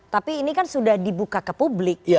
tapi ini kan sudah dibuka ke publik